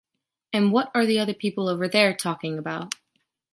And what are the people over there talking about?